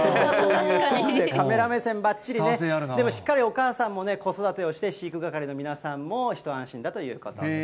カメラ目線ばっちりに、でもしっかりお母さんもね、子育てをして、飼育係の皆さんも一安心だということです。